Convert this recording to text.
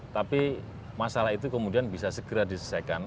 tapi masalah itu kemudian bisa segera diselesaikan